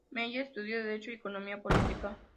Meyer estudió Derecho y Economía Política.